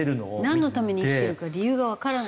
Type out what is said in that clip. なんのために生きてるか理由がわからない？